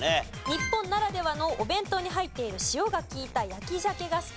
日本ならではのお弁当に入っている塩が利いた焼き鮭が好き。